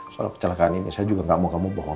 soal kecelakaan ini saya juga gak mau kamu bohong